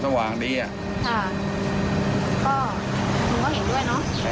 แต่เราอยู่ที่ตามซอยเนี่ยเราก็นุ่มเข้ามาติดเออโอเค